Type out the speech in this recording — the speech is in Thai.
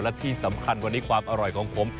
และที่สำคัญวันนี้ความอร่อยของผม